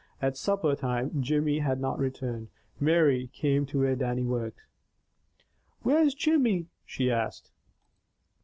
At supper time Jimmy had not returned. Mary came to where Dannie worked. "Where's Jimmy?" she asked.